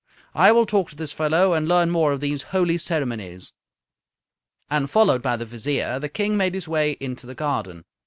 I will talk to this fellow and learn more of these holy ceremonies." And, followed by the Vizier, the King made his way into the garden.